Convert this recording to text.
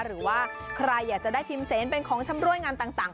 หรือว่าใครอยากจะได้พิมเซนเป็นของชำรวยงานต่าง